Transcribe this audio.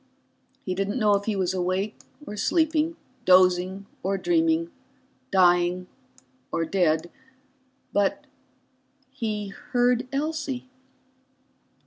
He didn't know if he was awake or sleeping, dozing or dreaming, dying or dead. But he heard Elsie.